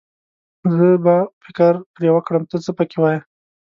زه به فکر پرې وکړم، ته څه پکې وايې.